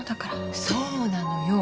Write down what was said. そうなのよ。